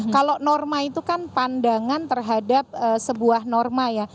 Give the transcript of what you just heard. kalau norma itu kan pandangan terhadap sebuah norma ya